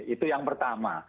itu yang pertama